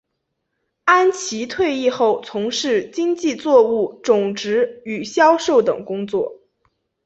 安琦退役后从事经济作物种植与销售等工作。